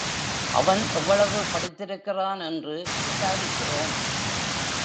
அவன் எவ்வளவு படித்திருக்கிறான் என்று விசாரிக்கிறோம்.